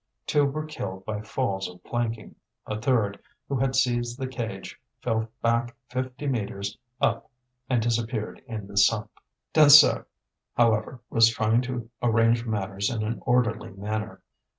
Two were killed by falls of planking. A third, who had seized the cage, fell back fifty metres up and disappeared in the sump. Dansaert, however, was trying to arrange matters in an orderly manner.